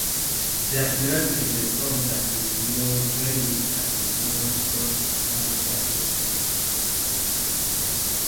There are similarities with the tombs at Newgrange and Knowth (both in County Meath).